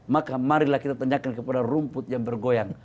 maka marilah kita tanyakan kepada rumput yang bergoyang